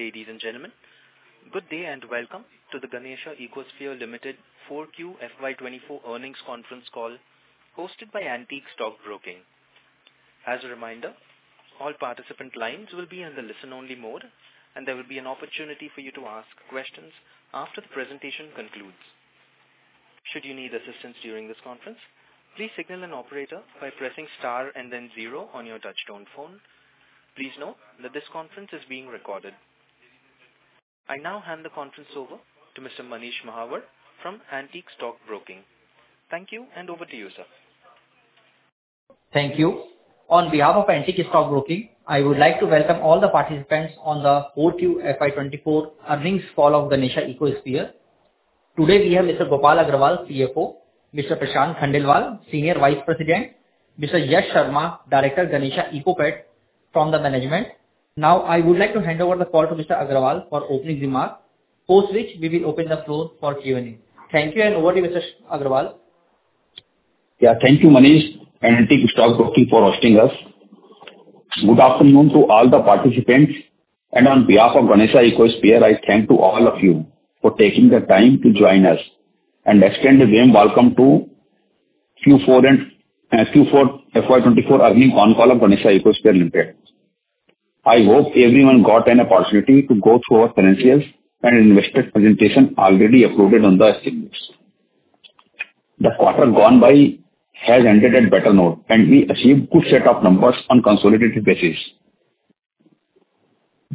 Ladies and gentlemen, good day, and welcome to the Ganesha Ecosphere Limited 4Q FY 2024 earnings conference call, hosted by Antique Stock Broking. As a reminder, all participant lines will be in the listen-only mode, and there will be an opportunity for you to ask questions after the presentation concludes. Should you need assistance during this conference, please signal an operator by pressing star and then zero on your touchtone phone. Please note that this conference is being recorded. I now hand the conference over to Mr. Manish Mahawar from Antique Stock Broking. Thank you, and over to you, sir. Thank you. On behalf of Antique Stock Broking, I would like to welcome all the participants on the 4Q FY 2024 earnings call of Ganesha Ecosphere. Today, we have Mr. Gopal Agarwal, CFO, Mr. Prashant Khandelwal, Senior Vice President, Mr. Yash Sharma, Director, Ganesha Ecopet, from the management. Now, I would like to hand over the call to Mr. Agarwal for opening remark, post which we will open the floor for Q&A. Thank you, and over to you, Mr. Agarwal. Yeah. Thank you, Manish and Antique Stock Broking for hosting us. Good afternoon to all the participants, and on behalf of Ganesha Ecosphere, I thank to all of you for taking the time to join us and extend a warm welcome to Q4 and Q4 FY 2024 earnings con call of Ganesha Ecosphere Limited. I hope everyone got an opportunity to go through our financials and investor presentation already uploaded on the exchange. The quarter gone by has ended at better note, and we achieved good set of numbers on consolidated basis.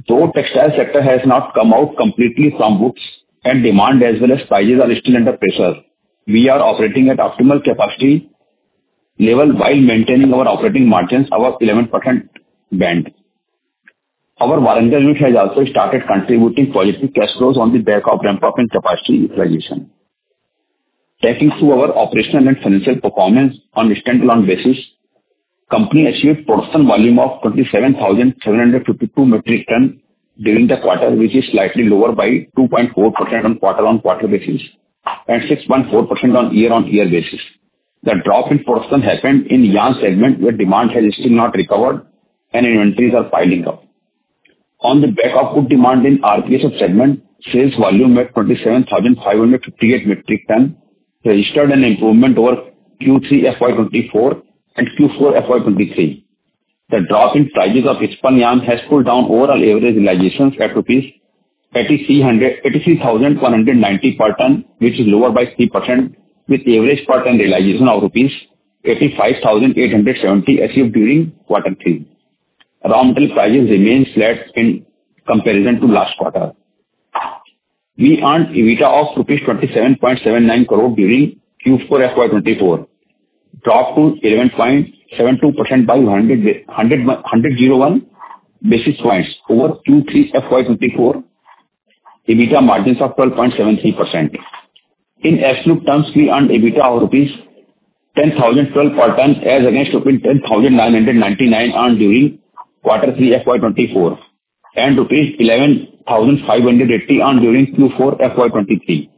Though textile sector has not come out completely from woods and demand as well as prices are still under pressure, we are operating at optimal capacity level while maintaining our operating margins above 11% band. Our Warangal unit has also started contributing positive cash flows on the back of ramp-up and capacity utilization. Taking through our operational and financial performance on standalone basis, company achieved production volume of 27,752 metric ton during the quarter, which is slightly lower by 2.4% on quarter-on-quarter basis and 6.4% on year-on-year basis. The drop in production happened in yarn segment, where demand has still not recovered and inventories are piling up. On the back of good demand in RPSF segment, sales volume at 27,558 metric ton registered an improvement over Q3 FY 2024 and Q4 FY 2023. The drop in prices of spun yarn has pulled down overall average realizations at rupees 83,190 per ton, which is lower by 3%, with average per ton realization of rupees 85,870 achieved during quarter three. Raw material prices remain flat in comparison to last quarter. We earned EBITDA of rupees 27.79 crore during Q4 FY 2024, dropped to 11.72% by 101 basis points over Q3 FY 2024. EBITDA margins are 12.73%. In absolute terms, we earned EBITDA of 10,012 per ton, as against 10,999 during Q3 FY 2024, and 11,580 during Q4 FY 2023.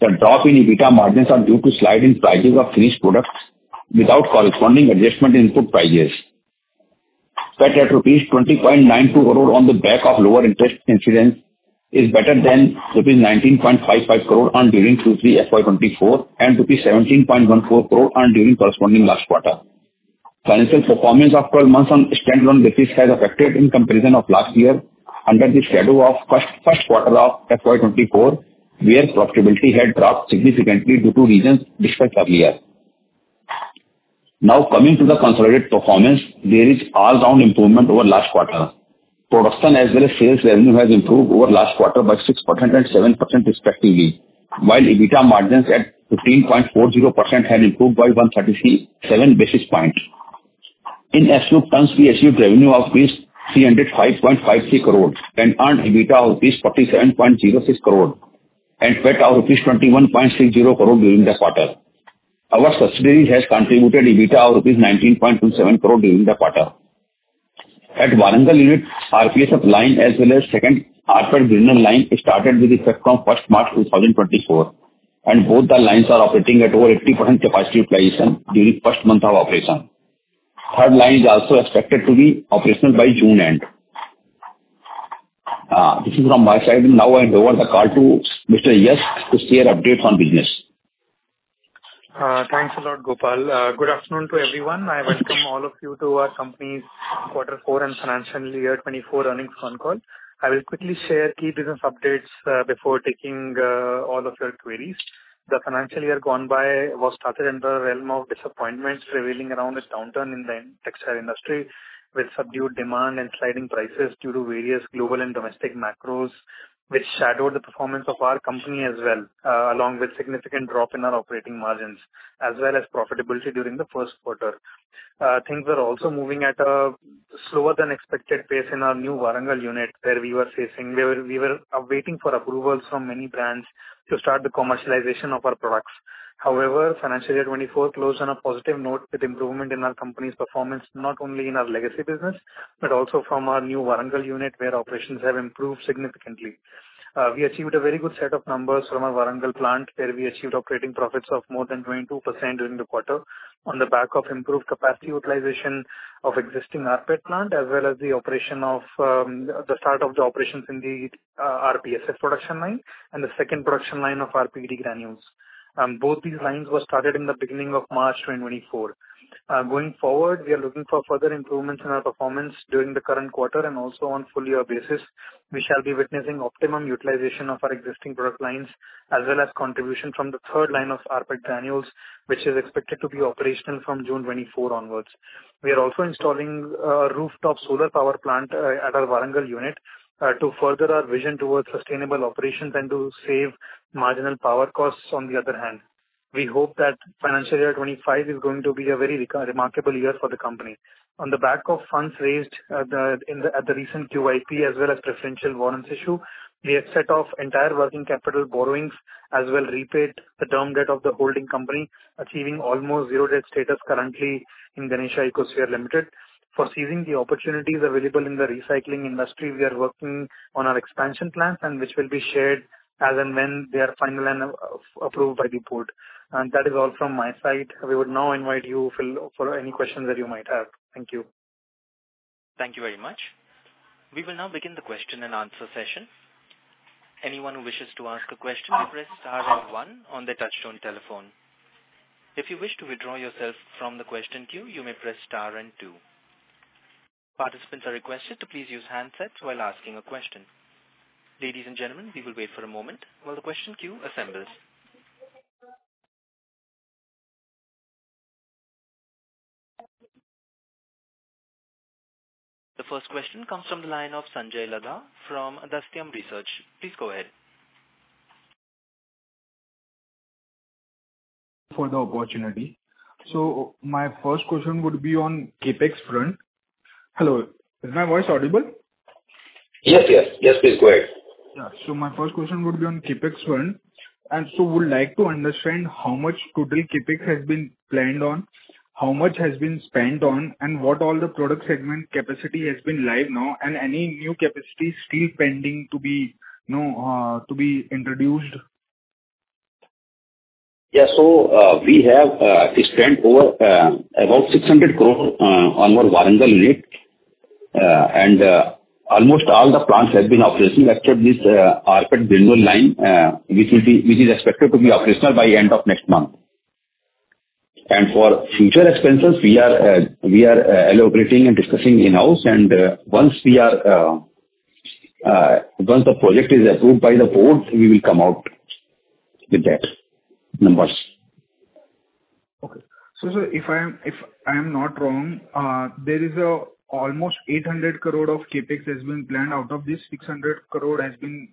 The drop in EBITDA margins are due to slide in prices of finished products without corresponding adjustment in input prices. PAT at rupees 20.92 crore on the back of lower interest incidence is better than rupees 19.55 crore during Q3 FY 2024, and rupees 17.14 crore during corresponding last quarter. Financial performance of 12 months on standalone basis has affected in comparison of last year under the shadow of first, first quarter of FY 2024, where profitability had dropped significantly due to reasons discussed earlier. Now, coming to the consolidated performance, there is all round improvement over last quarter. Production as well as sales revenue has improved over last quarter by 6% and 7% respectively, while EBITDA margins at 15.40% have improved by 133.7 basis points. In absolute terms, we achieved revenue of 305.53 crore and earned EBITDA of 47.06 crore rupees and PAT of 21.60 crore rupees during the quarter. Our subsidiary has contributed EBITDA of 19.27 crore rupees during the quarter. At Warangal unit, RPSF line as well as second rPET granule line started with effect from March 1, 2024, and both the lines are operating at over 80% capacity utilization during first month of operation. Third line is also expected to be operational by June end. This is from my side. Now, I hand over the call to Mr. Yash to share update on business. Thanks a lot, Gopal. Good afternoon to everyone. I welcome all of you to our company's quarter four and financial year 2024 earnings con call. I will quickly share key business updates before taking all of your queries. The financial year gone by was started in the realm of disappointments, revealing around a downturn in the textile industry, with subdued demand and sliding prices due to various global and domestic macros, which shadowed the performance of our company as well, along with significant drop in our operating margins, as well as profitability during the first quarter. Things were also moving at a slower than expected pace in our new Warangal unit, where we were facing. We were waiting for approvals from many brands to start the commercialization of our products. However, financial year 2024 closed on a positive note with improvement in our company's performance, not only in our legacy business, but also from our new Warangal unit, where operations have improved significantly. We achieved a very good set of numbers from our Warangal plant, where we achieved operating profits of more than 22% during the quarter, on the back of improved capacity utilization of existing rPET plant, as well as the operation of, the start of the operations in the, RPSF production line and the second production line of our rPET granules. Both these lines were started in the beginning of March 2024. Going forward, we are looking for further improvements in our performance during the current quarter and also on full year basis. We shall be witnessing optimum utilization of our existing product lines, as well as contribution from the third line of rPET granules, which is expected to be operational from June 2024 onwards. We are also installing rooftop solar power plant at our Warangal unit to further our vision towards sustainable operations and to save marginal power costs on the other hand. We hope that financial year 2025 is going to be a very remarkable year for the company. On the back of funds raised at the recent QIP, as well as preferential warrants issue, we have set off entire working capital borrowings, as well repaid the term debt of the holding company, achieving almost zero debt status currently in Ganesha Ecosphere Limited. For seizing the opportunities available in the recycling industry, we are working on our expansion plans and which will be shared as and when they are final and, approved by the board. That is all from my side. We would now invite you for any questions that you might have. Thank you. Thank you very much. We will now begin the question and answer session. Anyone who wishes to ask a question, press star then one on the touchtone telephone. If you wish to withdraw yourself from the question queue, you may press star and two. Participants are requested to please use handsets while asking a question. Ladies and gentlemen, we will wait for a moment while the question queue assembles. The first question comes from the line of Sanjay Ladha, from Bastion Research. Please go ahead. For the opportunity. So my first question would be on CapEx front. Hello, is my voice audible? Yes, yes. Yes, please, go ahead. Yeah. So my first question would be on CapEx front, and so would like to understand how much total CapEx has been planned on, how much has been spent on, and what all the product segment capacity has been live now, and any new capacity still pending to be, you know, to be introduced? Yeah. So, we have spent over about 600 crore on our Warangal unit. And almost all the plants have been operational except this rPET granule line, which will be, which is expected to be operational by end of next month. And for future expenses, we are allocating and discussing in-house, and once we are once the project is approved by the board, we will come out with that numbers. Okay. So if I am not wrong, there is almost 800 crore of CapEx that has been planned. Out of this, 600 crore has been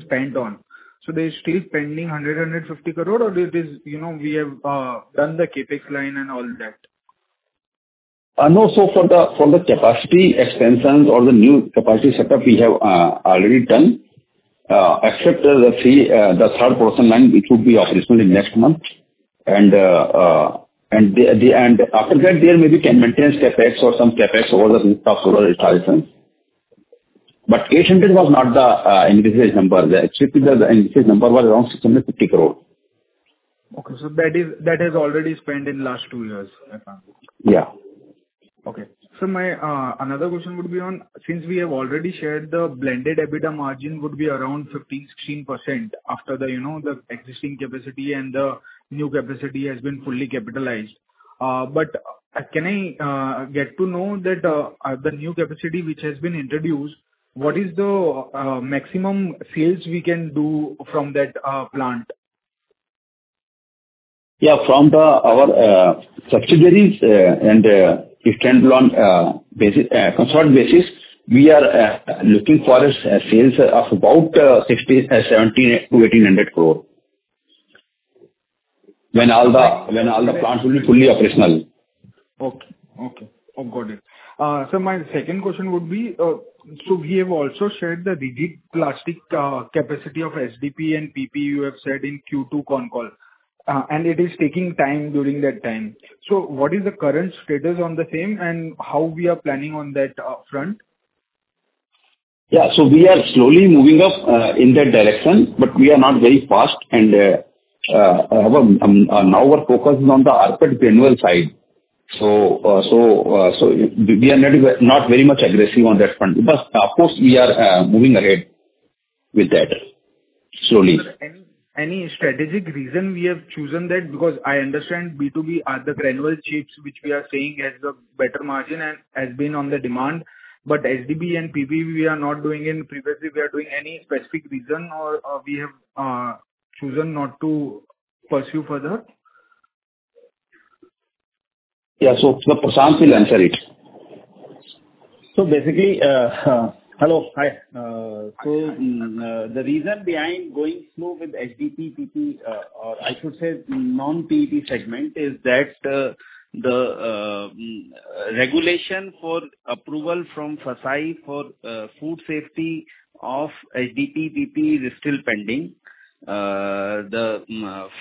spent on. So there is still pending 150 crore, or it is, you know, we have done the CapEx line and all that? No, so for the capacity expansions or the new capacity setup, we have already done, except the 3, the third portion line, which would be operational in next month. And after that, there maybe can maintain CapEx or some CapEx over the top solar installation. But 800 was not the increased number. The actual increased number was around 650 crore. Okay. So that is, that is already spent in last two years, I found. Yeah. Okay. So my another question would be on, since we have already shared the blended EBITDA margin would be around 15%-16% after the, you know, the existing capacity and the new capacity has been fully capitalized. But can I get to know that, the new capacity which has been introduced, what is the maximum sales we can do from that plant? Yeah, from our subsidiaries and we stand on consolidated basis, we are looking for sales of about 1,700-1,800 crore. When all the plants will be fully operational. Okay. Okay. I've got it. So my second question would be, so we have also shared the rigid plastic capacity of HDPE and PP, you have said in Q2 ConCall, and it is taking time during that time. So what is the current status on the same, and how we are planning on that front? Yeah, so we are slowly moving up in that direction, but we are not very fast. Now our focus is on the rPET granule side. We are not very much aggressive on that front. But of course, we are moving ahead with that, slowly. Any strategic reason we have chosen that? Because I understand B2B are the granule chips, which we are saying has the better margin and has been on the demand. But HDPE and PP, we are not doing in previously. We are doing any specific reason or we have chosen not to pursue further? Yeah, so Prashant will answer it. So basically, hello, hi. So, the reason behind going slow with HDPE, PP, or I should say non-PP segment, is that, the regulation for approval from FSSAI for food safety of HDPE, PP is still pending. The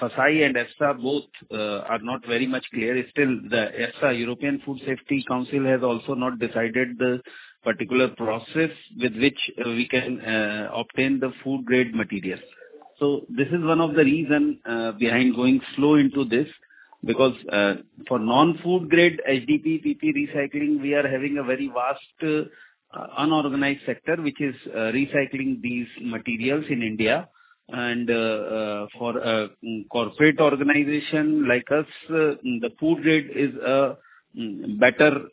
FSSAI and EFSA both are not very much clear. It's still the EFSA, European Food Safety Authority, has also not decided the particular process with which we can obtain the food grade materials. So this is one of the reason behind going slow into this. Because, for non-food grade HDPE, PP recycling, we are having a very vast unorganized sector, which is recycling these materials in India. For corporate organization like us, the food grade is a better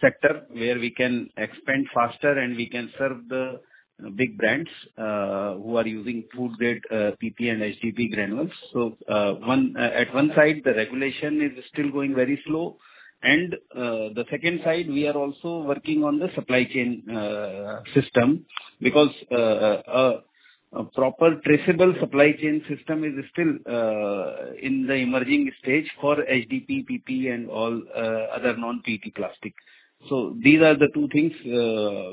sector, where we can expand faster and we can serve the big brands who are using food grade PP and HDPE granules. So, on one side, the regulation is still going very slow, and on the second side, we are also working on the supply chain system. Because a proper traceable supply chain system is still in the emerging stage for HDPE, PP and all other non-PP plastic. So these are the two things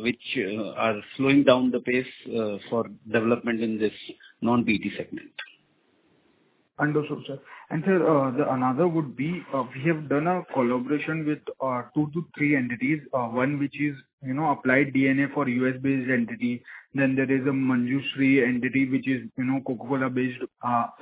which are slowing down the pace for development in this non-PP segment. Understood, sir. Sir, the another would be, we have done a collaboration with 2-3 entities. One which is, you know, Applied DNA for US-based entity. Then there is a Manjushree entity, which is, you know, Coca-Cola based,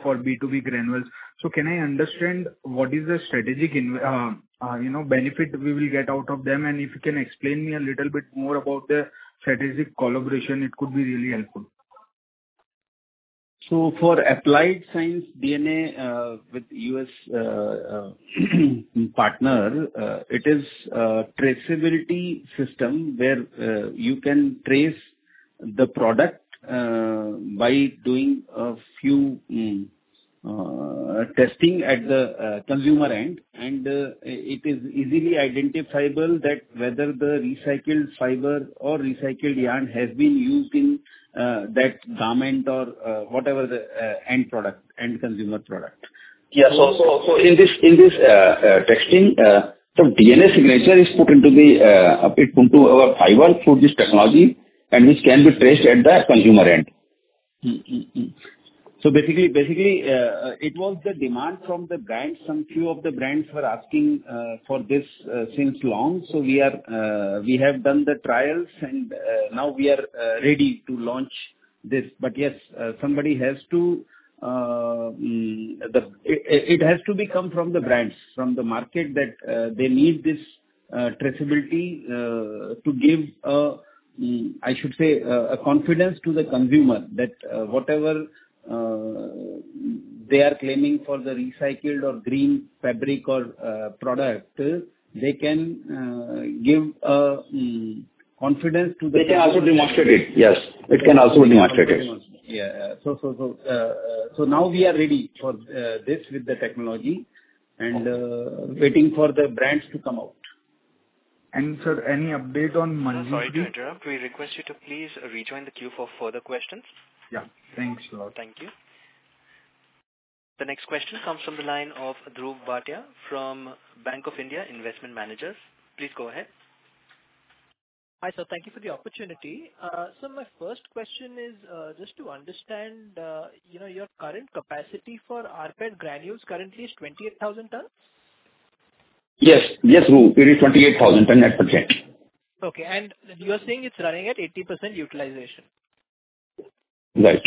for B2B granules. So can I understand what is the strategic, you know, benefit we will get out of them? And if you can explain me a little bit more about the strategic collaboration, it could be really helpful. So for Applied DNA Sciences, with U.S. partner, it is traceability system, where you can trace the product by doing a few testing at the consumer end. And it is easily identifiable that whether the recycled fiber or recycled yarn has been used in that garment or whatever the end product, end consumer product. Yeah. So, in this testing, DNA Signature is put into our fiber through this technology, and which can be traced at the consumer end. So basically, it was the demand from the brands. Some few of the brands were asking for this since long. So we have done the trials and now we are ready to launch this. But yes, somebody has to... It has to come from the brands, from the market, that they need this traceability to give, I should say, a confidence to the consumer, that whatever they are claiming for the recycled or green fabric or product, they can give confidence to the customer. They can also demonstrate it. Yes, it can also demonstrate it. Yeah. So now we are ready for this with the technology and waiting for the brands to come out. Sir, any update on Manjushree? Sorry to interrupt. We request you to please rejoin the queue for further questions. Yeah. Thanks a lot. Thank you. The next question comes from the line of Dhruv Bhatia from Bank of India Investment Managers. Please go ahead. Hi, Sir. Thank you for the opportunity. So my first question is, just to understand, you know, your current capacity for rPET granules currently is 28,000 tons? Yes. Yes, Dhruv, it is 28,000 tons at present. Okay. You are saying it's running at 80% utilization? Right.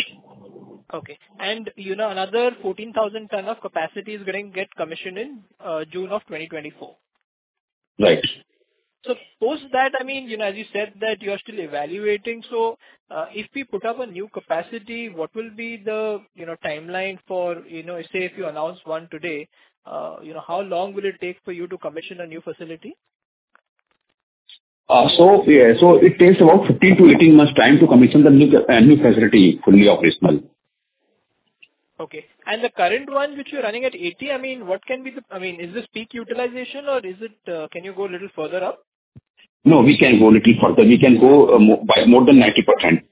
Okay. And, you know, another 14,000 tons of capacity is going to get commissioned in June of 2024? Right. So post that, I mean, you know, as you said that you are still evaluating, so, if we put up a new capacity, what will be the, you know, timeline for, you know, say, if you announce one today, you know, how long will it take for you to commission a new facility? It takes about 15-18 months time to commission the new facility, fully operational. Okay. And the current one, which you're running at 80, I mean, what can be the... I mean, is this peak utilization or is it, can you go a little further up? No, we can go little further. We can go more by more than 90%.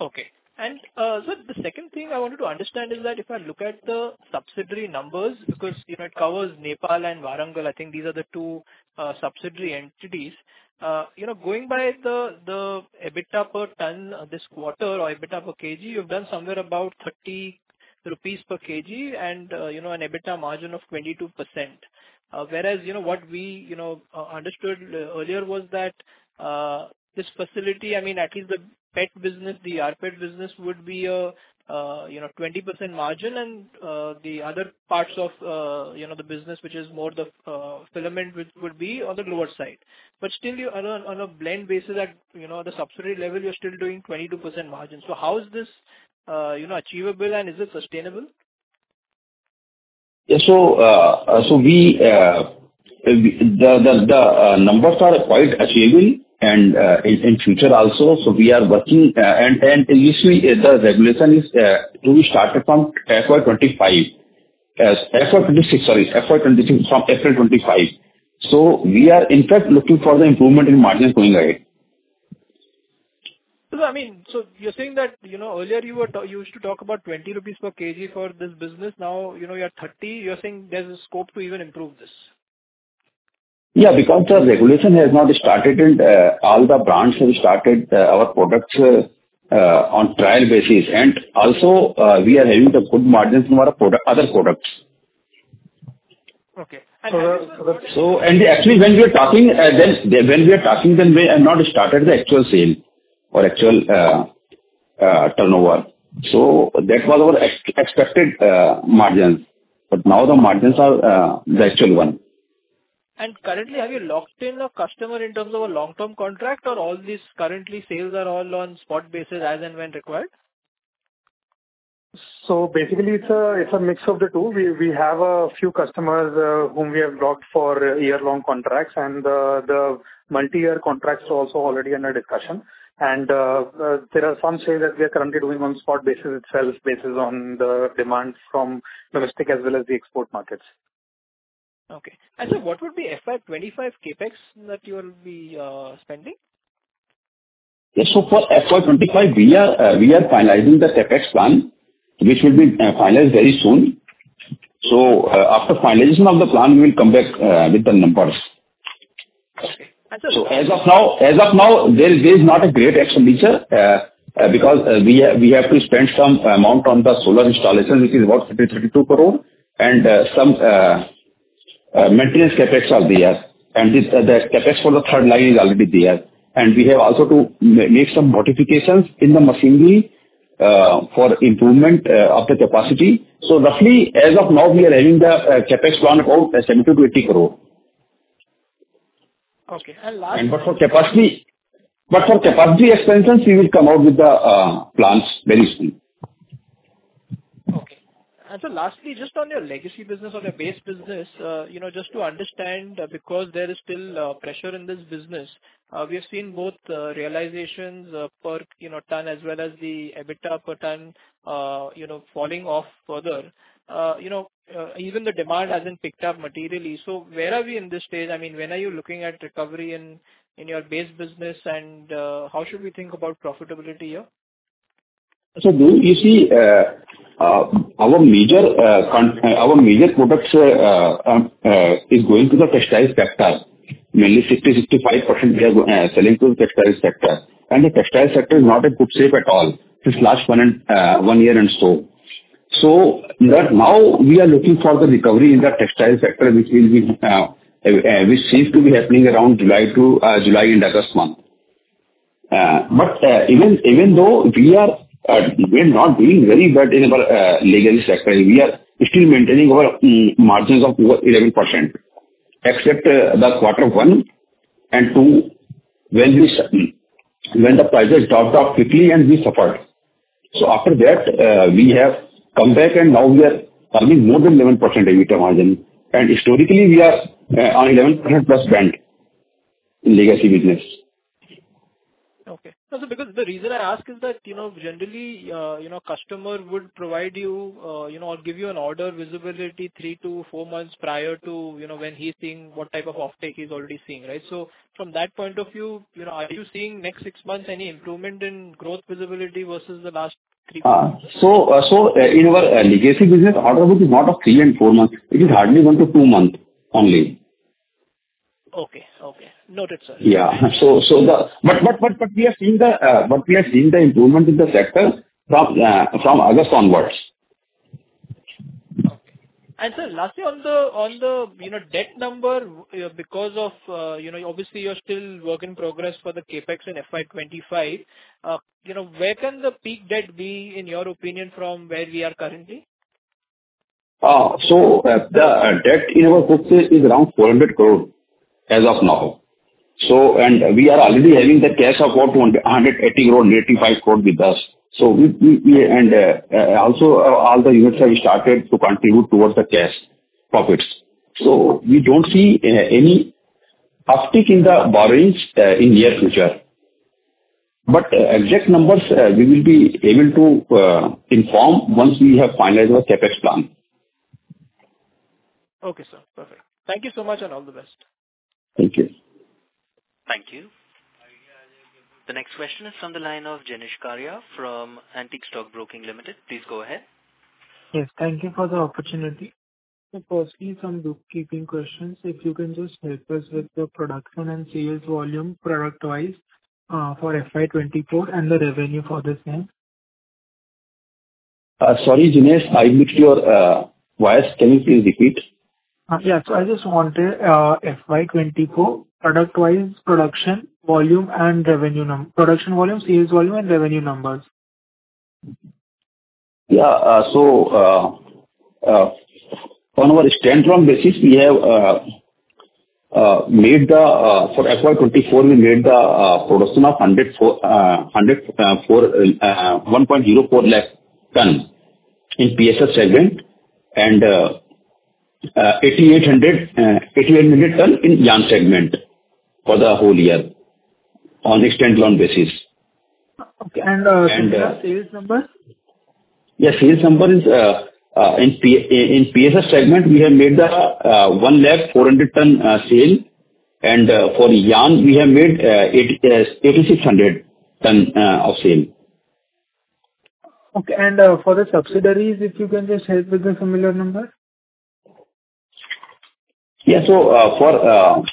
Okay. And, Sir, the second thing I wanted to understand is that if I look at the subsidiary numbers, because, you know, it covers Nepal and Warangal, I think these are the two subsidiary entities. You know, going by the EBITDA per ton this quarter or EBITDA per kg, you've done somewhere about 30 rupees per kg and, you know, an EBITDA margin of 22%. Whereas, you know, what we, you know, understood earlier was that, this facility, I mean, at least the PET business, the rPET business would be a, you know, 20% margin. And, the other parts of, you know, the business, which is more the, filament, which would be on the lower side. But still, you on a blend basis at, you know, the subsidiary level, you're still doing 22% margin. So how is this, you know, achievable and is it sustainable? Yeah. So, the numbers are quite achievable and, in future also, so we are working, and initially, the regulation is to be started from FY 2025, FY 2026, sorry, FY 2026, from April 2025. So we are in fact, looking for the improvement in margins going ahead. So, I mean, so you're saying that, you know, earlier you used to talk about 20 rupees per kg for this business. Now, you know, you're at 30, you're saying there's a scope to even improve this? ... Yeah, because the regulation has not started and all the brands have started our products on trial basis. And also, we are having the good margins from our product, other products. Okay. So, actually, when we are talking, we have not started the actual sale or actual turnover. So that was our expected margins, but now the margins are the actual one. Currently, have you locked in the customer in terms of a long-term contract, or all these currently sales are all on spot basis as and when required? Basically, it's a mix of the two. We have a few customers whom we have locked for year-long contracts, and the multi-year contracts are also already under discussion. There are some sales that we are currently doing on spot basis itself, basis on the demands from domestic as well as the export markets. Okay. And sir, what would be FY 2025 CapEx that you will be spending? Yes, so for FY 2025, we are finalizing the CapEx plan, which will be finalized very soon. So, after finalization of the plan, we will come back with the numbers. Okay. So as of now, there is not a great expenditure, because we have to spend some amount on the solar installation, which is about 52 crore, and some maintenance CapEx are there. And the CapEx for the third line is already there. And we have also to make some modifications in the machinery, for improvement of the capacity. So roughly, as of now, we are running the CapEx plan about 70 crore-80 crore. Okay, and last- For capacity expansions, we will come out with the plans very soon. Okay. And sir, lastly, just on your legacy business, on your base business, you know, just to understand, because there is still, pressure in this business, we have seen both, realizations, per, you know, ton, as well as the EBITDA per ton, you know, falling off further. You know, even the demand hasn't picked up materially. So where are we in this stage? I mean, when are you looking at recovery in, in your base business, and, how should we think about profitability here? So do you see, our major products is going to the textile sector. Mainly 50%-65%, we are selling to the textile sector. And the textile sector is not in good shape at all, this last one and one year and so. So but now we are looking for the recovery in the textile sector, which will be, which seems to be happening around July to July and August month. But even though we are, we're not doing very bad in our legacy sector, we are still maintaining our margins of over 11%, except the quarter one and two, when the prices dropped off quickly and we suffered. After that, we have come back, and now we are earning more than 11% EBITDA margin, and historically we are on 11% plus band in legacy business. Okay. No, sir, because the reason I ask is that, you know, generally, you know, customer would provide you, you know, or give you an order visibility 3-4 months prior to, you know, when he's seeing what type of offtake he's already seeing, right? So from that point of view, you know, are you seeing next 6 months any improvement in growth visibility versus the last 3 quarters? So, in our legacy business, order book is not of 3 and 4 months, it is hardly 1-2 months only. Okay, okay. Noted, sir. Yeah. So, but we have seen the improvement in the sector from August onwards. Okay. And sir, lastly, on the you know, debt number, because of, you know, obviously you're still work in progress for the CapEx in FY 2025, you know, where can the peak debt be, in your opinion, from where we are currently? So, the debt in our books is around 400 crore as of now. And we are already having the cash of about 185 crore with us. So we and also all the units have started to contribute towards the cash profits. So we don't see any uptick in the borrowings in near future. But exact numbers we will be able to inform once we have finalized our CapEx plan. Okay, sir. Perfect. Thank you so much, and all the best. Thank you. Thank you. The next question is from the line of Jenish Karia from Antique Stock Broking Limited. Please go ahead. Yes, thank you for the opportunity. So firstly, some bookkeeping questions. If you can just help us with the production and sales volume, product-wise, for FY 2024 and the revenue for the same? Sorry, Jenish, I missed your voice. Can you please repeat? Yeah. So I just wanted FY 2024, product-wise, production volume, sales volume, and revenue numbers. Yeah, so, on our standalone basis, we have made the production of 1.04 lakh tons in PSF segment, and 8,800 tons in yarn segment for the whole year, on standalone basis. Okay, and And, uh- the sales number? Yes, sales number is, in PSS segment, we have made the 104,000 ton sale, and for yarn, we have made 8,600 ton of sale.... Okay, and, for the subsidiaries, if you can just help with the similar number? Yeah. So, for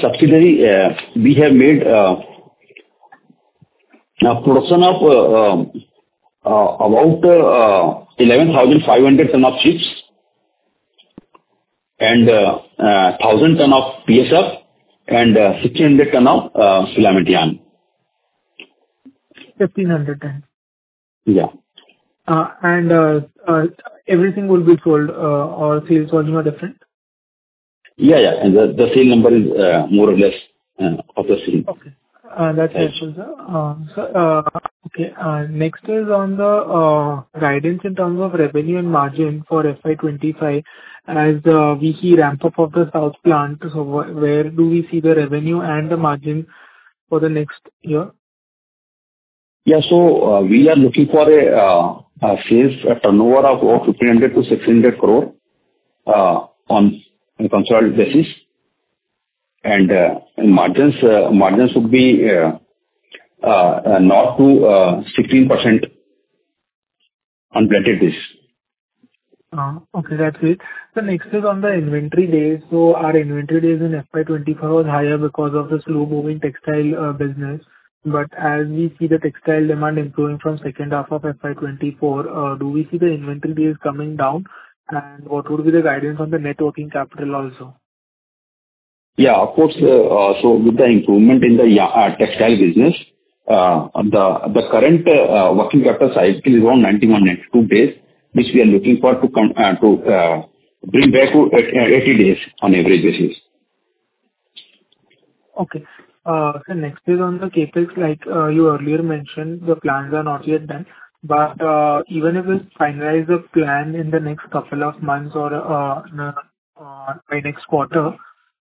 subsidiary, we have made a production of about 11,500 tons of chips, and 1,000 tons of PSF, and 1,600 tons of filament yarn. 1,500 tons. Yeah. Everything will be sold, or sales volume are different? Yeah, yeah, and the, the sale number is, more or less, of the same. Okay, that's excellent. So, okay, next is on the guidance in terms of revenue and margin for FY 2025 as we see ramp up of the south plant. So where do we see the revenue and the margin for the next year? Yeah. So, we are looking for a sales turnover of over 1,500-1,600 crore on a consolidated basis. And margins would be north to 16% on blended this. Okay, that's it. So next is on the inventory days. So our inventory days in FY 2024 was higher because of the slow-moving textile business. But as we see the textile demand improving from second half of FY 2024, do we see the inventory days coming down? And what would be the guidance on the net working capital also? Yeah, of course, so with the improvement in the yarn, textile business, the current working capital cycle is around 91, 92 days, which we are looking for to come to bring back to 80 days on average basis. Okay. So next is on the CapEx. Like, you earlier mentioned, the plans are not yet done, but, even if we finalize the plan in the next couple of months or, by next quarter,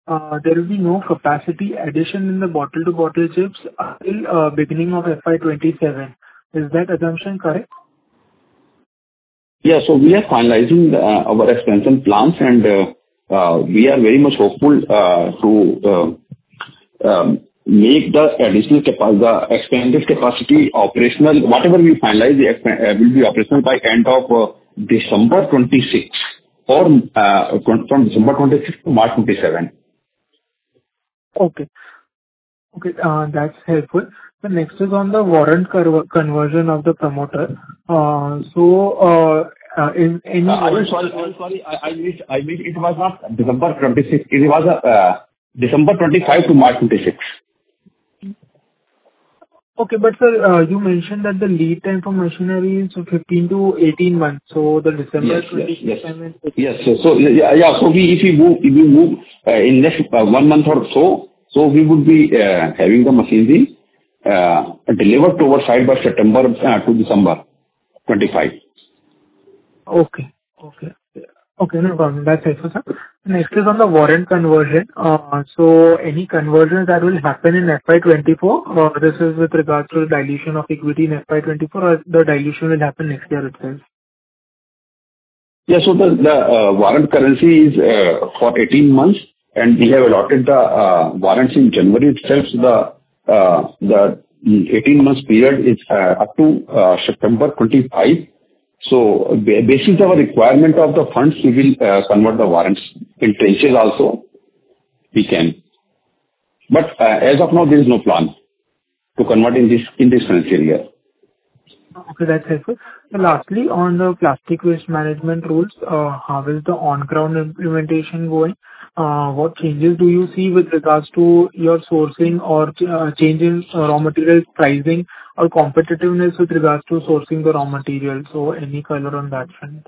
there will be no capacity addition in the bottle-to-bottle chips, till, beginning of FY 2027. Is that assumption correct? Yeah. So we are finalizing our expansion plans, and we are very much hopeful to make the expanded capacity operational. Whatever we finalize, the expansion will be operational by end of December 2026, or from December 2026 to March 2027. Okay, that's helpful. So next is on the warrant conversion of the promoter. In- I'm sorry, I'm sorry. I mean, I mean it was December 2026. It was December 2025 to March 2026. Okay. But, sir, you mentioned that the lead time for machinery is from 15-18 months, so the December 2025 and- Yes, yes, yes. So, so, yeah, yeah, so we, if we move, if we move, in next one month or so, so we would be having the machinery delivered to our side by September to December 2025. Okay. Okay. Okay, no problem. That's helpful, sir. Next is on the warrant conversion. So any conversion that will happen in FY2024, or this is with regard to the dilution of equity in FY2024, or the dilution will happen next year itself? Yeah. So the warrant currency is for 18 months, and we have allotted the warrants in January itself. The 18 months period is up to September 2025. So based on our requirement of the funds, we will convert the warrants. In tranches also, we can. But as of now, there is no plan to convert in this financial year. Okay, that's helpful. So lastly, on the plastic waste management rules, how is the on-ground implementation going? What changes do you see with regards to your sourcing or changes or raw materials pricing or competitiveness with regards to sourcing the raw materials? So any color on that front.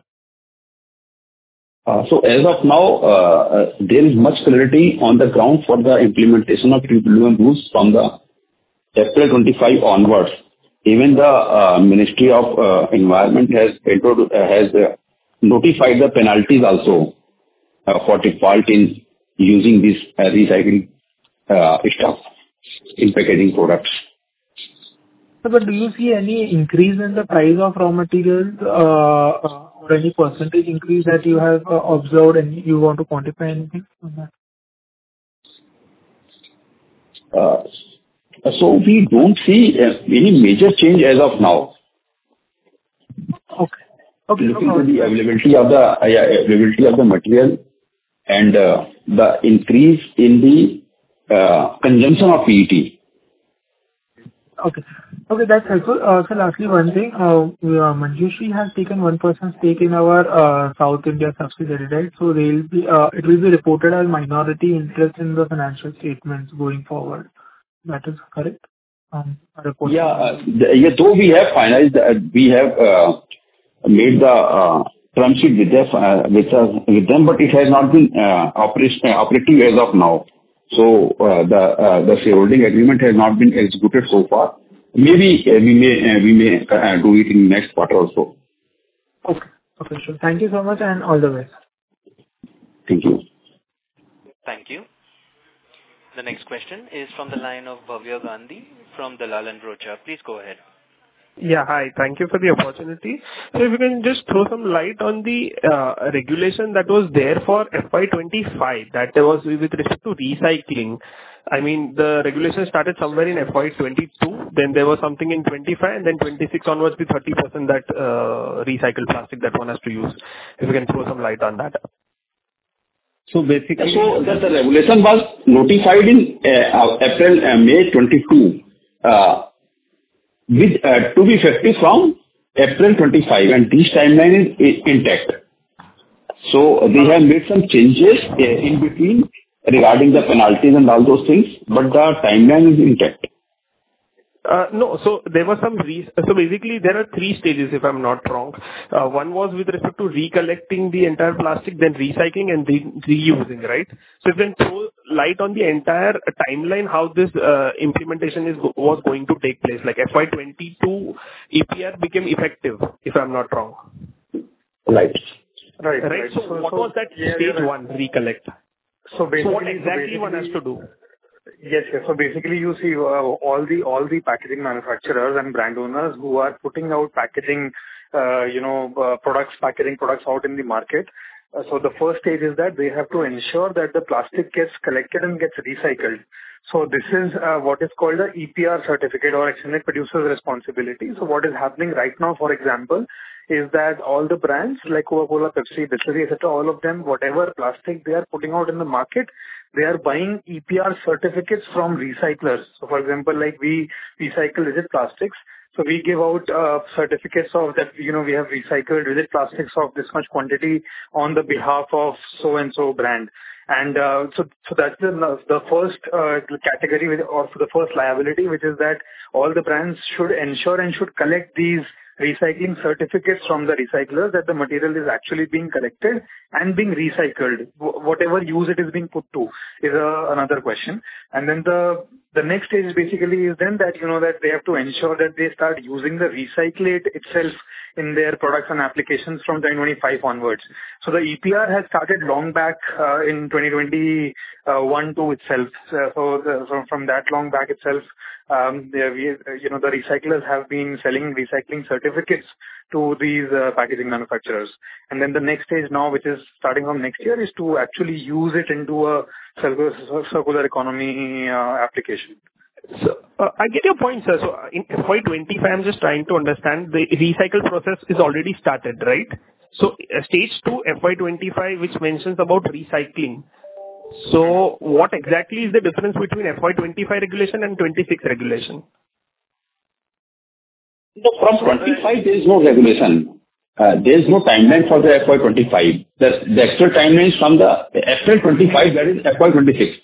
So as of now, there is much clarity on the ground for the implementation of rules from April 25 onwards. Even the Ministry of Environment has notified the penalties also for default in using this recycling stuff in packaging products. But do you see any increase in the price of raw materials, or any percentage increase that you have observed and you want to quantify anything on that? So we don't see any major change as of now. Okay. Okay. Looking to the availability of the material and the increase in the consumption of PET. Okay. Okay, that's helpful. So lastly, one thing, we, Manjushree has taken 1% stake in our South India subsidiary, right? So there will be, it will be reported as minority interest in the financial statements going forward. That is correct, reporting? Yeah, though we have finalized, we have made the term sheet with them, but it has not been operative as of now. So, the shareholding agreement has not been executed so far. Maybe, we may do it in next quarter also. Okay. Okay, sure. Thank you so much, and all the best. Thank you. Thank you. The next question is from the line of Bhavya Gandhi from Dalal & Broacha. Please go ahead. Yeah, hi. Thank you for the opportunity. So if you can just throw some light on the regulation that was there for FY 2025, that there was with respect to recycling. I mean, the regulation started somewhere in FY 2022, then there was something in 2025, and then 2026 onwards, the 30% that recycled plastic that one has to use. If you can throw some light on that. So basically, the regulation was notified in April-May 2022, which is to be effective from April 2025, and this timeline is intact. So they have made some changes in between regarding the penalties and all those things, but the timeline is intact. No. So there were some. So basically, there are three stages, if I'm not wrong. One was with respect to recollecting the entire plastic, then recycling, and then reusing, right? So if you can throw light on the entire timeline, how this implementation is was going to take place, like FY 2022, EPR became effective, if I'm not wrong. Right. Right, right. Right. So what was that stage one, recollect? So basically- What exactly one has to do? Yes, yes. So basically, you see, all the, all the packaging manufacturers and brand owners who are putting out packaging, you know, products, packaging products out in the market. So the first stage is that they have to ensure that the plastic gets collected and gets recycled. So this is what is called an EPR certificate or Extended Producer Responsibility. So what is happening right now, for example, is that all the brands like Coca-Cola, Pepsi, Bisleri, etc., all of them, whatever plastic they are putting out in the market, they are buying EPR certificates from recyclers. So for example, like, we recycle rigid plastics, so we give out certificates of that, you know, we have recycled rigid plastics of this much quantity on the behalf of so-and-so brand. So that's the first category, which is the first liability, which is that all the brands should ensure and should collect these recycling certificates from the recyclers, that the material is actually being collected and being recycled. Whatever use it is being put to is another question. And then the next stage is basically then that, you know, that they have to ensure that they start using the recyclate itself in their products and applications from 2025 onwards. So the EPR has started long back in 2021-2022 itself. So from that long back itself, we, you know, the recyclers have been selling recycling certificates to these packaging manufacturers. Then the next stage now, which is starting from next year, is to actually use it into a circular economy application. So, I get your point, sir. So in FY 2025, I'm just trying to understand, the recycle process is already started, right? So, stage two, FY 2025, which mentions about recycling. So what exactly is the difference between FY 2025 regulation and 2026 regulation? From 2025, there's no regulation. There's no timeline for the FY 2025. The extra timeline is from the April 2025, that is FY 2026.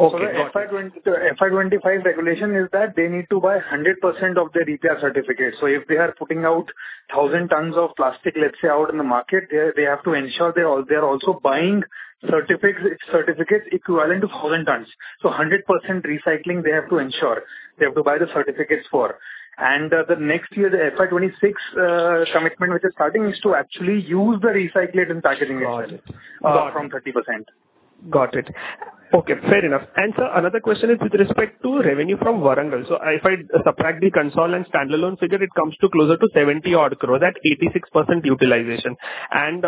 Okay. So the FY 2025 regulation is that they need to buy 100% of their EPR certificates. So if they are putting out 1,000 tons of plastic, let's say, out in the market, they have to ensure they're also buying certificates equivalent to 1,000 tons. So 100% recycling, they have to ensure, they have to buy the certificates for. And the next year, the FY 2026 commitment, which is starting, is to actually use the recyclate in packaging- Got it. from 30%. Got it. Okay, fair enough. And sir, another question is with respect to revenue from Warangal. So if I subtract the consolidated and standalone figure, it comes to closer to 70 odd crores at 86% utilization. And,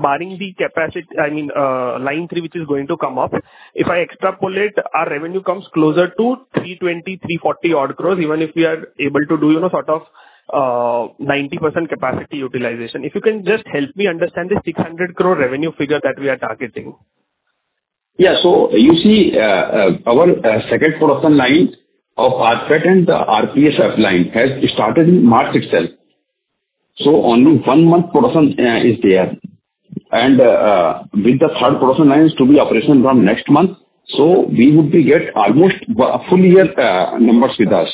barring the capacity, I mean, line three, which is going to come up, if I extrapolate, our revenue comes closer to 320-340 odd crores, even if we are able to do, you know, sort of, 90% capacity utilization. If you can just help me understand the 600 crore revenue figure that we are targeting. Yeah. So you see, our second production line of RPET and the rPSF line has started in March itself. So only one month production is there. And with the third production line is to be operational from next month, so we would be get almost a full year numbers with us.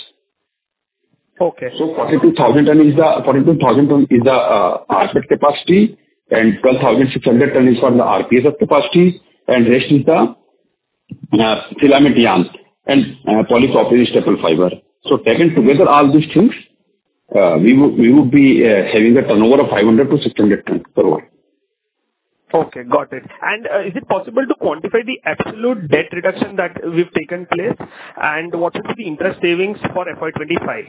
Okay. So 42,000 tons is the 42,000 tons is the rPET capacity, and 12,600 tons is for the rPSF capacity, and rest is the filament yarns and polypropylene staple fiber. So taken together all these things, we would, we would be having a turnover of 500-600 tons turnover. Okay, got it. Is it possible to quantify the absolute debt reduction that we've taken place, and what should be the interest savings for FY 2025?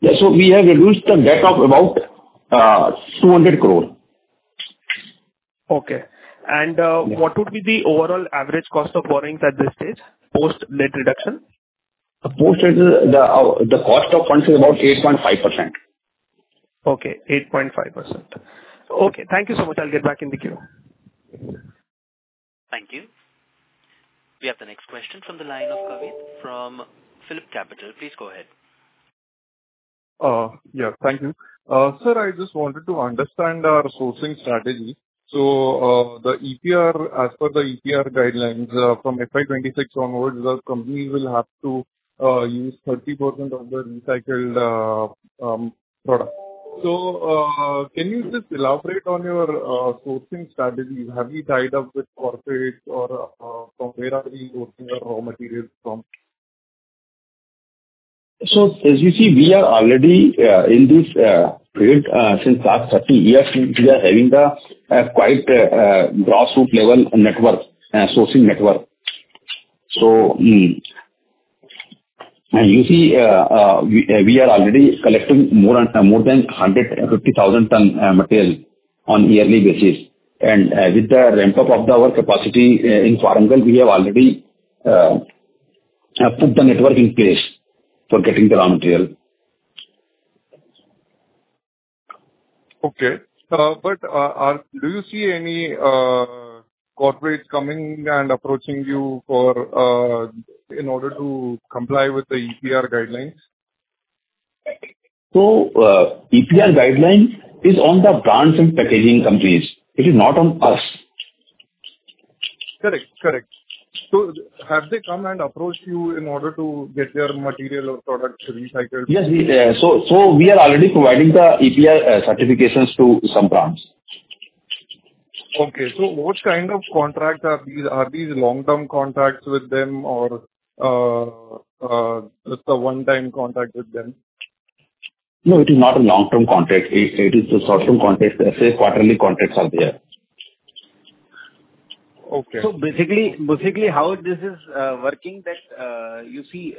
Yeah. So we have reduced the debt of about 200 crore. Okay. Yeah. What would be the overall average cost of borrowings at this stage, post-debt reduction? Post reduction, the cost of funds is about 8.5%. Okay, 8.5%. Okay, thank you so much. I'll get back in the queue. Thank you. We have the next question from the line of Kavit from PhillipCapital. Please go ahead. Yeah, thank you. Sir, I just wanted to understand our sourcing strategy. So, the EPR, as per the EPR guidelines, from FY 2026 onwards, the companies will have to use 30% of the recycled product. So, can you just elaborate on your sourcing strategy? Have you tied up with corporates or from where are we sourcing our raw materials from? So as you see, we are already in this field since last 30 years. We, we are having a quite grassroots level network, sourcing network.... So, you see, we are already collecting more than 150,000 tons material on yearly basis. And, with the ramp up of our capacity in Warangal, we have already put the network in place for getting the raw material. Okay. But do you see any corporates coming and approaching you for, in order to comply with the EPR guidelines? EPR guideline is on the brands and packaging companies. It is not on us. Correct. Correct. So have they come and approached you in order to get their material or products recycled? Yes, so we are already providing the EPR certifications to some brands. Okay. So what kind of contracts are these? Are these long-term contracts with them or, just a one-time contract with them? No, it is not a long-term contract. It is a short-term contract. Let's say, quarterly contracts are there. Okay. So basically, basically how this is working that, you see,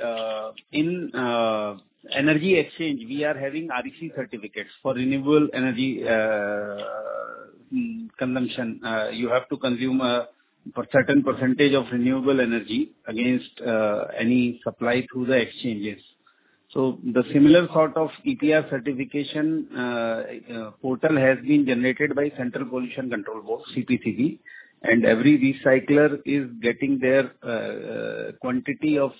in energy exchange, we are having REC certificates for renewable energy, mm, consumption. You have to consume for certain percentage of renewable energy against any supply through the exchanges. So the similar sort of EPR certification portal has been generated by Central Pollution Control Board, CPCB, and every recycler is getting their quantity of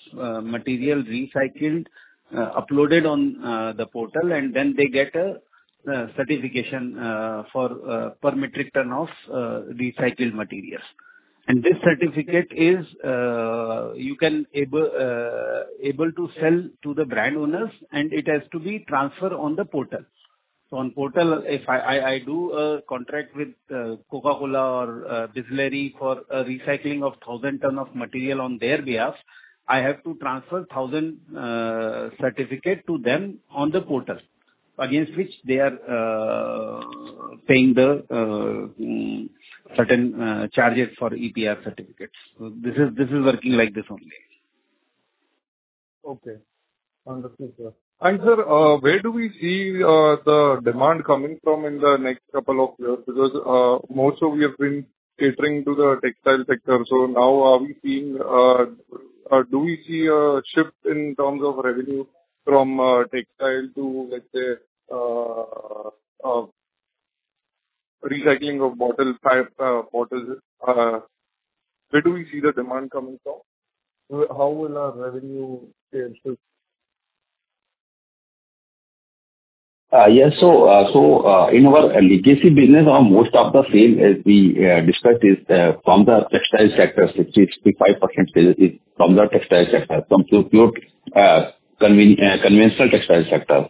materials recycled uploaded on the portal, and then they get a certification for per metric ton of recycled materials. And this certificate is, you can able, able to sell to the brand owners, and it has to be transferred on the portal. So on portal, if I do a contract with Coca-Cola or Bisleri for a recycling of 1,000 tons of material on their behalf, I have to transfer 1,000 certificates to them on the portal, against which they are paying the certain charges for EPR certificates. So this is working like this only. Okay. Understood, sir. And sir, where do we see the demand coming from in the next couple of years? Because most of we have been catering to the textile sector. So now are we seeing do we see a shift in terms of revenue from textile to, let's say, recycling of bottles, PET bottles? Where do we see the demand coming from? How will our revenue change, sir? Yes. So, so, in our legacy business, on most of the sales, as we discussed, is from the textile sector, 65% sales is from the textile sector, from pure conventional textile sector.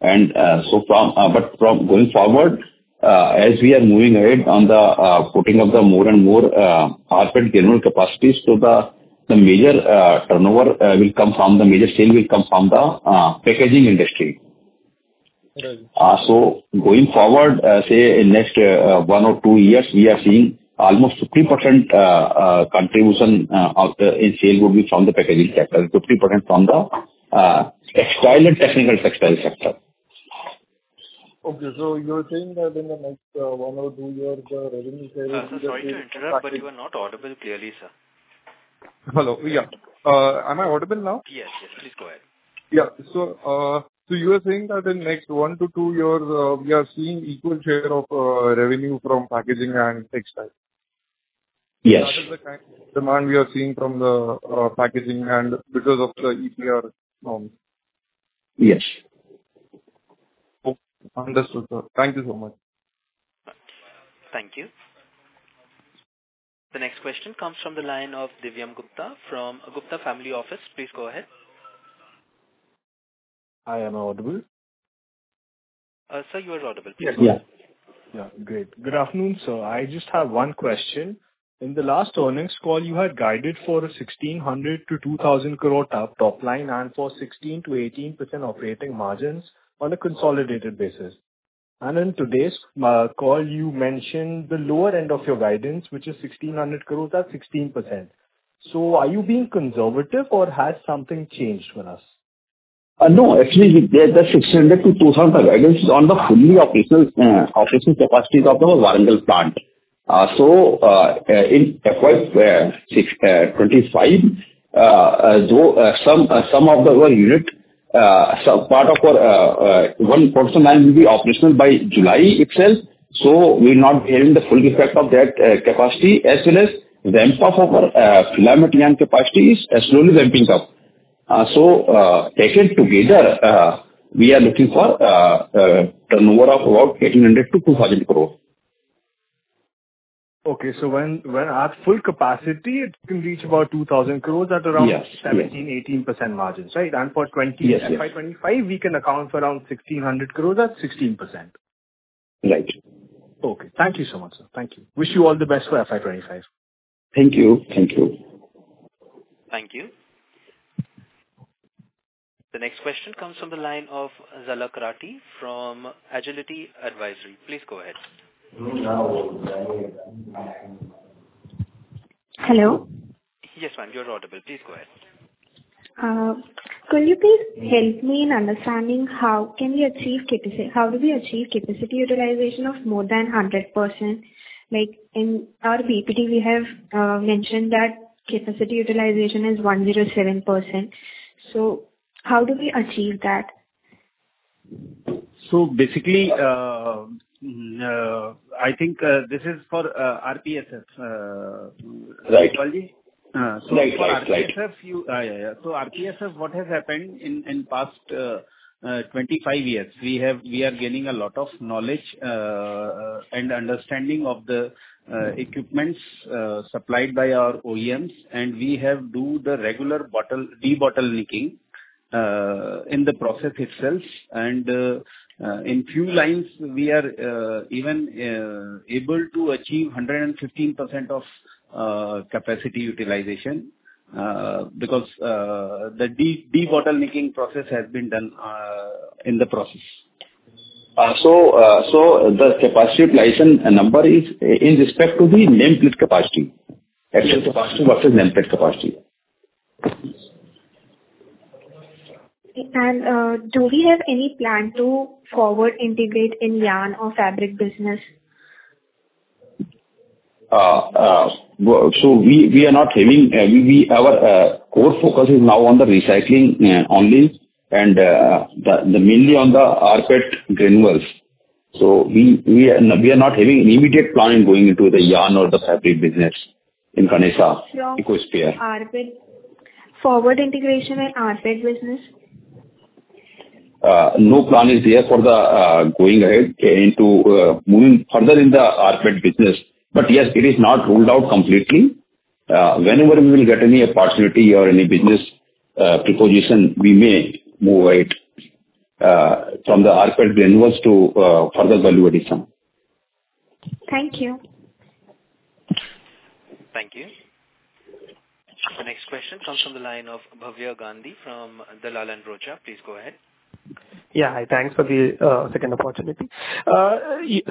And, so from, but from going forward, as we are moving ahead on the putting of the more and more rPET granule capacities, so the major turnover will come from the major sale will come from the packaging industry. Right. So going forward, say in next one or two years, we are seeing almost 50% contribution of the in sales will be from the packaging sector, 50% from the textile and technical textile sector. Okay, so you're saying that in the next, one or two years, the revenue- Sorry to interrupt, but you are not audible clearly, sir. Hello, yeah. Am I audible now? Yes, yes, please go ahead. Yeah. So, so you were saying that in next 1 to 2 years, we are seeing equal share of, revenue from packaging and textile? Yes. That is the kind demand we are seeing from the packaging and because of the EPR norms. Yes. Okay. Understood, sir. Thank you so much. Thank you. The next question comes from the line of Divyam Gupta from Gupta Family Office. Please go ahead. I am audible? Sir, you are audible. Yeah. Yeah. Great. Good afternoon, sir. I just have one question. In the last earnings call, you had guided for 1,600 crore-2,000 crore top line, and for 16%-18% operating margins on a consolidated basis. And in today's call, you mentioned the lower end of your guidance, which is 1,600 crore at 16%. So are you being conservative or has something changed with us? No, actually, the 1,600-2,000, the guidance is on the fully operational capacities of the Warangal plant. So, in FY 2025, though some of our unit some part of our one production line will be operational by July itself, so we're not getting the full effect of that capacity, as well as the ramp up of our filament yarn capacity is slowly ramping up. So, taken together, we are looking for turnover of about 1,800-2,000 crores. Okay. So when at full capacity, it can reach about 2,000 crore at around- Yes. Yes. - 17, 18% margins, right? And for 20- Yes, yes. FY 2025, we can account for around 1,600 crore at 16%. Right. Okay. Thank you so much, sir. Thank you. Wish you all the best for FY 2025. Thank you. Thank you. Thank you... The next question comes from the line of Zalak Rathi from Agility Advisors. Please go ahead. Hello? Yes, ma'am, you're audible. Please go ahead. Could you please help me in understanding how we can achieve capacity utilization of more than 100%? Like, in our PPT, we have mentioned that capacity utilization is 107%. So how do we achieve that? So basically, I think, this is for RPSS. Right. Pardon me? Right, right, right. So RPSF, yeah, yeah, yeah. So RPSF, what has happened in past twenty-five years, we are gaining a lot of knowledge and understanding of the equipments supplied by our OEMs, and we have do the regular bottle debottlenecking in the process itself. And in few lines, we are even able to achieve 115% of capacity utilization because the debottlenecking process has been done in the process. So, the capacity utilization number is in respect to the nameplate capacity. Actual capacity versus nameplate capacity. Do we have any plan to forward integrate in yarn or fabric business? Well, so we are not having. Our core focus is now on the recycling only, and the mainly on the rPET granules. So we are not having immediate plan in going into the yarn or the fabric business in Ganesha ecosystem. rPET. Forward integration in rPET business? No plan is there for the going ahead into moving further in the rPET business. But yes, it is not ruled out completely. Whenever we will get any opportunity or any business proposition, we may move it from the rPET granules to further value addition. Thank you. Thank you. The next question comes from the line of Bhavya Gandhi from Dalal & Broacha. Please go ahead. Yeah, hi. Thanks for the second opportunity.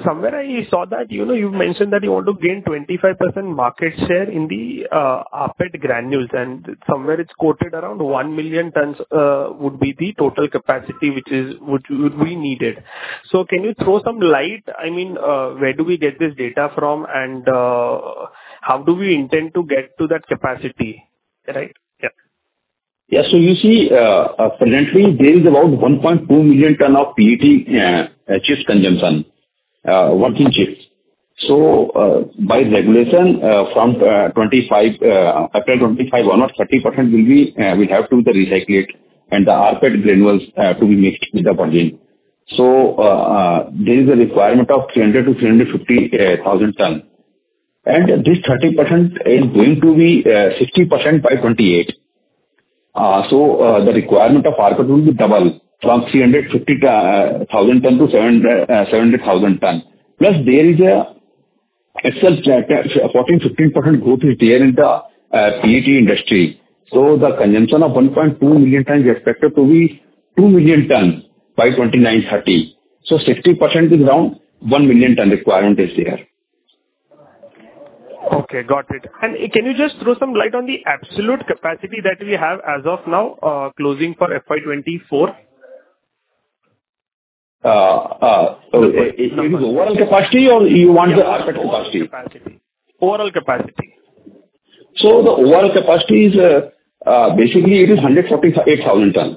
Somewhere I saw that, you know, you mentioned that you want to gain 25% market share in the rPET granules, and somewhere it's quoted around 1 million tons would be the total capacity which would be needed. So can you throw some light, I mean, where do we get this data from, and how do we intend to get to that capacity, right? Yeah. Yeah. So you see, currently there is about 1.2 million tons of PET chips consumption, working chips. So, by regulation, from April 2025, 30% will have to be the recyclate and the rPET granules to be mixed with the virgin. So, there is a requirement of 300-350 thousand tons. And this 30% is going to be 60% by 2028. So, the requirement of rPET will be double from 350 thousand tons to 700 thousand tons. Plus, there is an excess 14-15% growth in the PET industry. So the consumption of 1.2 million tons is expected to be 2 million tons by 2029-30. So 60% is around 1 million ton requirement is there. Okay, got it. Can you just throw some light on the absolute capacity that we have as of now, closing for FY 2024? You mean overall capacity or you want the rPET capacity? Overall capacity. The overall capacity is, basically, 148,000 tons.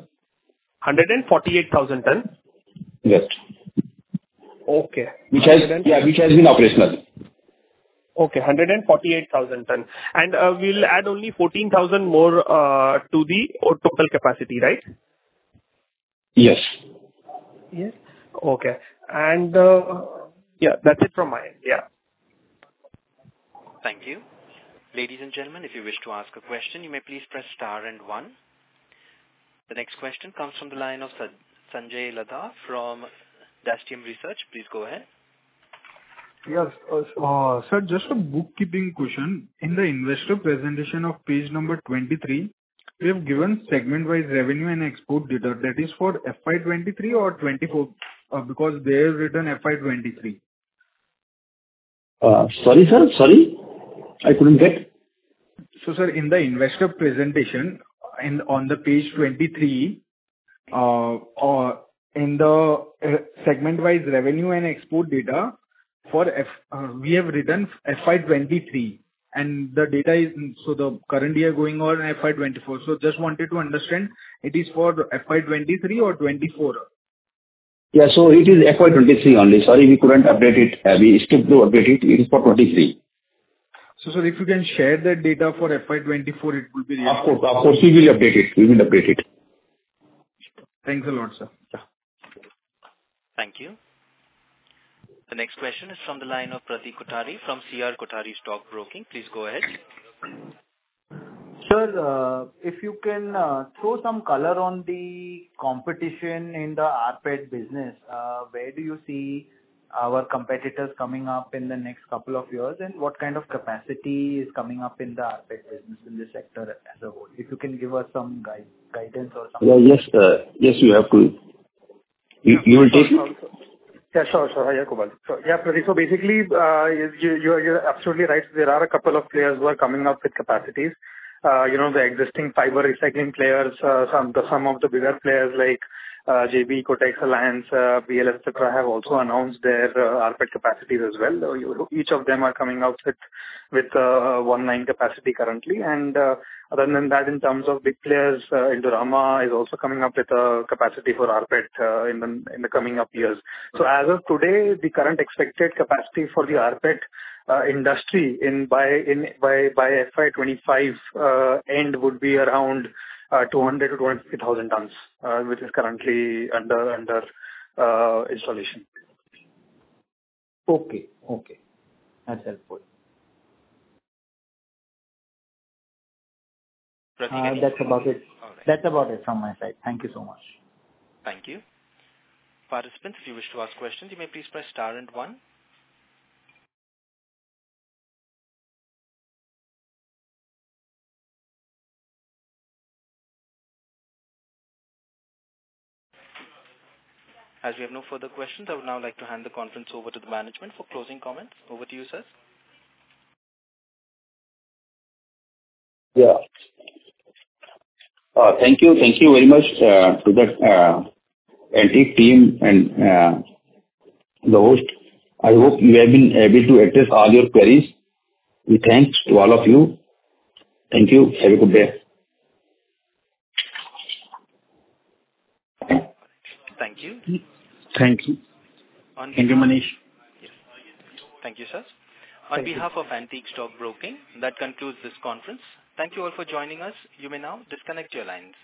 148,000 tons? Yes. Okay. Which has- Hundred and- Yeah, which has been operational. Okay, 148,000 tons. And we'll add only 14,000 more to the total capacity, right? Yes. Yes. Okay. And, yeah, that's it from my end. Yeah. Thank you. Ladies and gentlemen, if you wish to ask a question, you may please press star and one. The next question comes from the line of Sanjay Ladha from Bastion Research. Please go ahead. Yes. Sir, just a bookkeeping question. In the investor presentation of page number 2023, we have given segment-wise revenue and export data. That is for FY 2023 or 2024? Because there is written FY 2023. Sorry, sir. Sorry, I couldn't get. So, sir, in the investor presentation, and on the page 2023, in the segment-wise revenue and export data, we have written FY 2023, and the data is, so the current year going on FY 2024. So just wanted to understand, it is for FY 2023 or 2024? Yeah, so it is FY 2023 only. Sorry, we couldn't update it. We still to update it. It is for 2023. sir, if you can share the data for FY 2024, it will be- Of course, of course, we will update it. We will update it. Thanks a lot, sir. Yeah. Thank you. The next question is from the line of Pradeep Kothari from C.R. Kothari & Sons. Please go ahead. Sir, if you can, throw some color on the competition in the rPET business, where do you see our competitors coming up in the next couple of years? And what kind of capacity is coming up in the rPET business in this sector as a whole? If you can give us some guidance or something. Yes, yes, we have to.... You will take it? Yeah, sure, sure. Hi, Kumar. So, yeah, so basically, you're absolutely right. There are a couple of players who are coming up with capacities. You know, the existing fiber recycling players, some of the bigger players like JB Ecotex, Alliance, BLS, etc., have also announced their rPET capacities as well. Each of them are coming out with one line capacity currently. And other than that, in terms of big players, Indorama is also coming up with a capacity for rPET in the coming up years. So as of today, the current expected capacity for the rPET industry by FY 2025 end would be around 200-250,000 tons, which is currently under installation. Okay. Okay. That's helpful. That's about it. That's about it from my side. Thank you so much. Thank you. Participants, if you wish to ask questions, you may please press star and one. As we have no further questions, I would now like to hand the conference over to the management for closing comments. Over to you, sir. Yeah. Thank you, thank you very much, to the Antique team and the host. I hope we have been able to address all your queries. We thank all of you. Thank you. Have a good day. Thank you. Thank you. Thank you, Manish. Yes. Thank you, sir. Thank you. On behalf of Antique Stock Broking, that concludes this conference. Thank you all for joining us. You may now disconnect your lines.